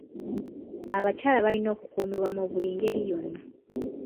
Abakyala balina okukuumibwa mu buli ngeri yonna.